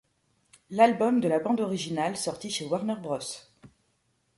L'album de la bande originale, sorti chez Warner Bros.